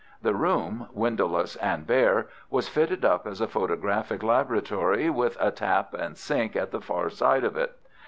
The room, windowless and bare, was fitted up as a photographic laboratory, with a tap and sink at the side of it.